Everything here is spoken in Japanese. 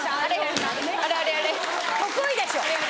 得意でしょ。